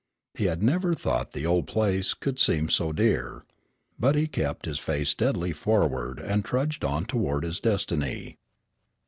He had never thought the old place could seem so dear. But he kept his face steadily forward and trudged on toward his destiny.